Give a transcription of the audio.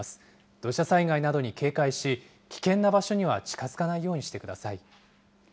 土砂災害などに警戒し、危険な場所には近づかないようにしてください。